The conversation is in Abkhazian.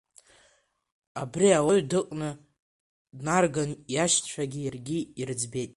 Абри аоҩ дыкны днарган иашьцәагьы иаргьы ирыӡбеит.